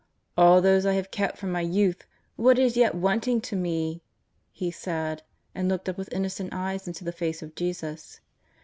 "All these have I kept from my youth: what is yet wanting to me ?" he said, and looked up with inno cent eyes into the face of Jesus.